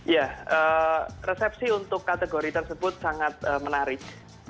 ya resepsi untuk kategori tersebut sangat menarik